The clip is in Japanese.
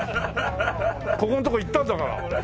ここの所行ったんだから。